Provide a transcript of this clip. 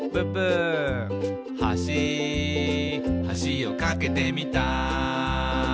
「はしはしを架けてみた」